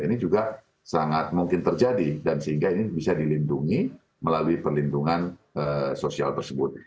ini juga sangat mungkin terjadi dan sehingga ini bisa dilindungi melalui perlindungan sosial tersebut